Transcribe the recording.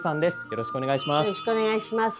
よろしくお願いします。